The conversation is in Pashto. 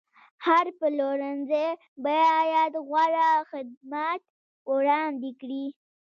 هر پلورنځی باید غوره خدمات وړاندې کړي.